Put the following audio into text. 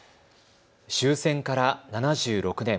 終戦から７６年。